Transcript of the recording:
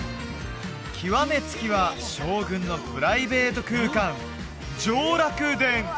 極め付きは将軍のプライベート空間上洛殿